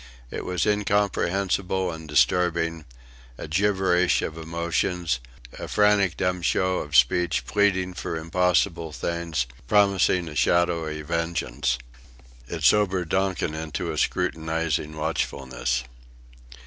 It was incomprehensible and disturbing; a gibberish of emotions, a frantic dumb show of speech pleading for impossible things, promising a shadowy vengeance. It sobered Donkin into a scrutinising watchfulness.